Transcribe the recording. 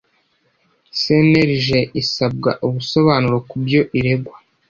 cnlg isabwa ubusobanuro kubyo iregwa